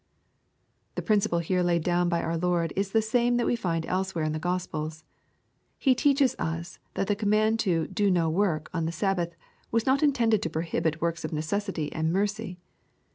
The principle here laid down by our Lord is the same that we find elsewhere in the Gospels. He teaches us that the command to " do no work" on the Sabbath^ wm not intended to prohibit works of necessity and meicy.